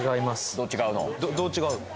どう違う？